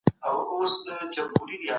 شراب د خوښۍ او غم اصلي وسیله مه ګڼئ.